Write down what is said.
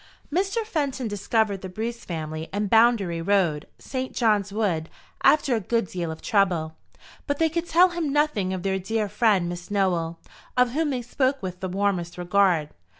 Mr. Fenton discovered the Bruce family in Boundary road, St. John's wood, after a good deal of trouble. But they could tell him nothing of their dear friend Miss Nowell, of whom they spoke with the warmest regard.